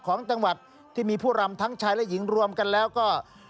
ของจังหวัดที่มีผู้รำทั้งชายและหญิงรวมกันแล้วก็